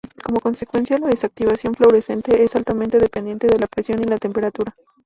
Como consecuencia, la desactivación fluorescente es altamente dependiente de la presión y la temperatura.